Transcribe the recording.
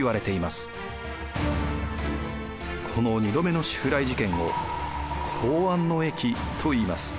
この２度目の襲来事件を弘安の役といいます。